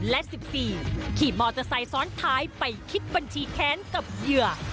และ๑๔ขี่มอเตอร์ไซค์ซ้อนท้ายไปคิดบัญชีแค้นกับเหยื่อ